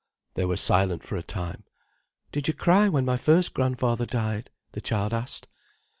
They were silent for a time. "Did you cry when my first grandfather died?" the child asked.